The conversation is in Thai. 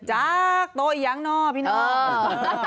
จากโต๊ะอีกยังเนาะพี่น้อง